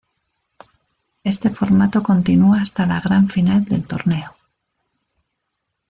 Este formato continua hasta la gran final del torneo.